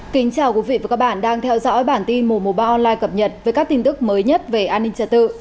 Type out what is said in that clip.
kính chào quý vị và các bạn đang theo dõi bản tin mùa mùa ba online cập nhật với các tin tức mới nhất về an ninh trật tự